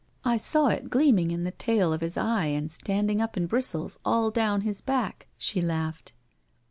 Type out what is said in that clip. " I saw it gleaming in the tail of his eye and standing up in bristles all down his back/' she laughed.